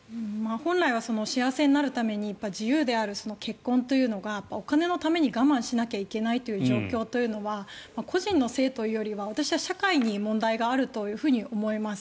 本来は幸せになるために自由である結婚というのがお金のために我慢しなきゃいけないという状況というのは個人のせいというよりは、私は社会に問題があると思います。